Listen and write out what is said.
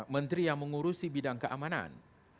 menteri yang mengurusi bidang keamanan